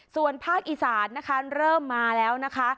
ส่วนภาคอีสานนะคะเริ่มมาแล้วนะคะ